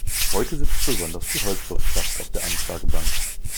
Heute sitzt besonders die Holzwirtschaft auf der Anklagebank.